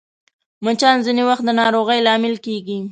مچان ځینې وخت د ناروغۍ لامل کېږي